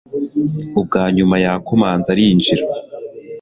Ubwa nyuma yakomanze arinjira